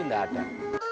jadi kita harus berbual